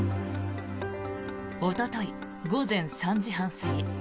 おととい午前３時半過ぎ